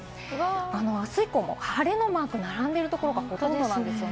あす以降も晴れのマークが並んでいるところがほとんどです。